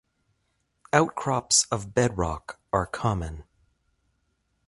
Outcrops of bedrock are common.